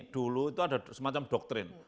dulu itu ada semacam doktrin